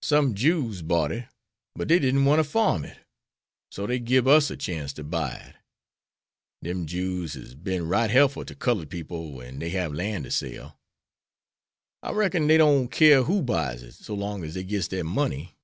Some Jews bought it, but dey didn't want to farm it, so dey gib us a chance to buy it. Dem Jews hez been right helpful to cullud people wen dey hab lan' to sell. I reckon dey don't keer who buys it so long as dey gits de money.